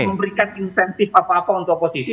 memberikan insentif apa apa untuk oposisi